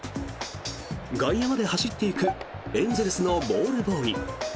外野まで走っていくエンゼルスのボールボーイ。